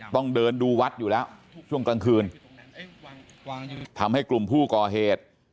ต้องเดินดูวัดอยู่แล้วช่วงกลางคืนทำให้กลุ่มผู้ก่อเหตุ